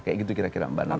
kayak gitu kira kira mbak nana